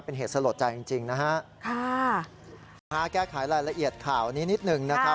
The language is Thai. เป็นเหตุสลดใจจริงจริงนะฮะค่ะพาแก้ไขรายละเอียดข่าวนี้นิดหนึ่งนะครับ